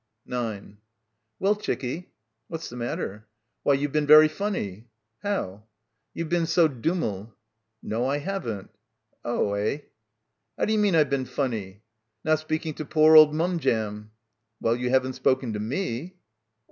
9 "Well, chickie?" "What's the matter?" "Why, you've been very funny !" "How?" "You've been so dummel." "No, I haven't." — 23 — PILGRIMAGE "Oh— eh." "How d'you mean I've been funny?" "Not speaking to poor old mum jam. 3 "Well, you haven't spoken to me."